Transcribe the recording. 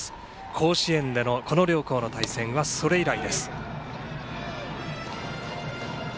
甲子園でのこの両校の対戦は、それ以来です。